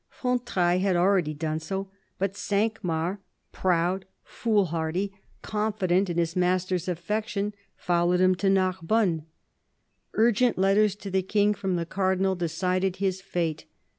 Fontrailles had already done so, but Cinq Mars, proud, foolhardy, confident in his THE CARDINAL 287 master's affection, followed him to Narbonne. Urgent letters to the King from the Cardinal decided his fate.